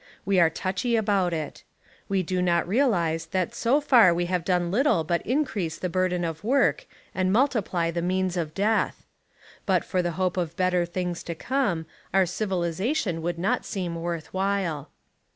We are touchy about it. We do not realise that so far we have done little but increase the burden of work and multiply the means of death. But for the hope of better things to come, our civilisation would not seem worth while.